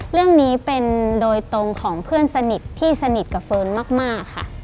เรื่องนี้เป็นโดยตรงของเพื่อนสนิทที่สนิทกับเฟิร์นมากค่ะ